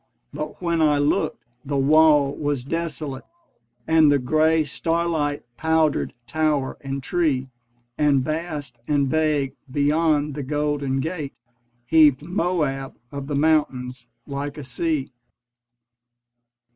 But when I looked, the wall was desolate And the grey starlight powdered tower and tree: And vast and vague beyond the Golden Gate Heaved Moab of the mountains like a sea.